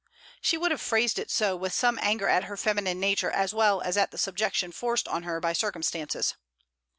She would have phrased it so, with some anger at her feminine nature as well as at the subjection forced on her by circumstances.